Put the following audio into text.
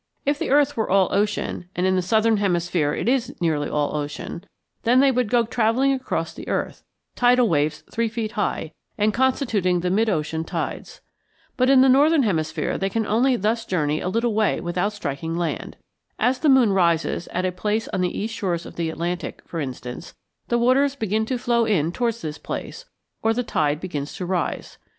If the earth were all ocean (and in the southern hemisphere it is nearly all ocean), then they would go travelling across the earth, tidal waves three feet high, and constituting the mid ocean tides. But in the northern hemisphere they can only thus journey a little way without striking land. As the moon rises at a place on the east shores of the Atlantic, for instance, the waters begin to flow in towards this place, or the tide begins to rise.